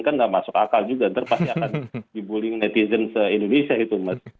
kan tidak masuk akal juga nanti pasti akan dibullying netizen indonesia itu mas